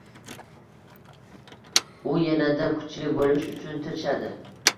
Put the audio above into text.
U yana-da kuchli boʻlish uchun tirishadi.